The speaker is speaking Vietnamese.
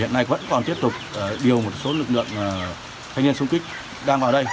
hiện nay vẫn còn tiếp tục điều một số lực lượng thanh niên sung kích đang vào đây